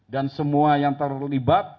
dan semua yang terlibat